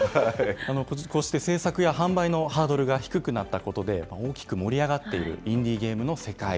こうして制作や販売のハードルが低くなったことで、大きく盛り上がっているインディーゲームの世界。